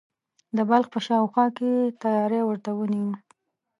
د بلخ په شاوخوا کې یې تیاری ورته ونیوی.